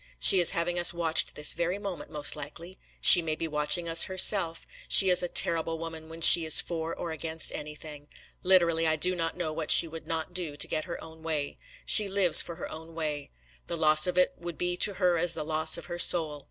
She is having us watched this very moment, most likely. She may be watching us herself. She is a terrible woman when she is for or against anything. Literally, I do not know what she would not do to get her own way. She lives for her own way. The loss of it would be to her as the loss of her soul.